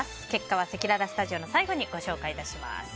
結果はせきららスタジオの最後にご紹介します。